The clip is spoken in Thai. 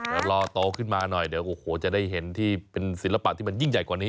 เดี๋ยวรอโตขึ้นมาหน่อยเดี๋ยวโอ้โหจะได้เห็นที่เป็นศิลปะที่มันยิ่งใหญ่กว่านี้